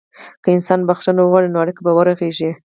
که انسان بخښنه وغواړي، نو اړیکه به ورغېږي.